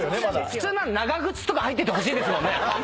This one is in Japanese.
普通なら長靴とか入っててほしいですもんね。